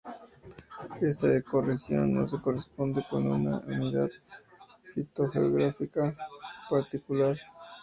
Esta ecorregión no se corresponde con una unidad fitogeográfica particular.